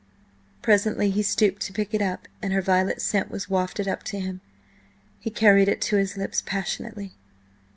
Presently he stooped to pick it up, and her violet scent was wafted up to him. He carried it to his lips, passionately.